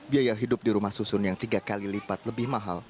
biaya hidup di rumah susun yang tiga kali lipat lebih mahal